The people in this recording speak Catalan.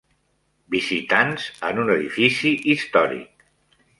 Visitants en un edifici històric.